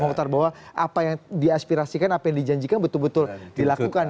memutar bahwa apa yang diaspirasikan apa yang dijanjikan betul betul dilakukan